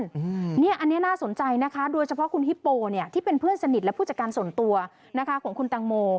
อันนี้น่าสนใจนะคะโดยเฉพาะคุณฮิปโปเนี่ยที่เป็นเพื่อนสนิทและผู้จัดการส่วนตัวนะคะของคุณตังโม